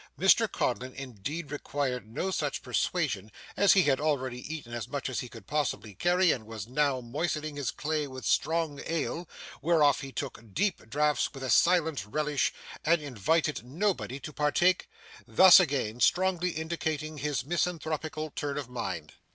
Mr Codlin indeed required no such persuasion, as he had already eaten as much as he could possibly carry and was now moistening his clay with strong ale, whereof he took deep draughts with a silent relish and invited nobody to partake thus again strongly indicating his misanthropical turn of mind.